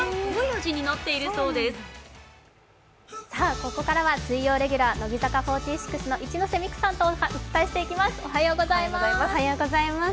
ここからは水曜レギュラー乃木坂４６の一ノ瀬美空さんとお伝えしていきます。